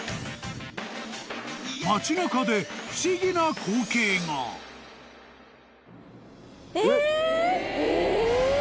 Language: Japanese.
［街中で不思議な光景が］え！？え！？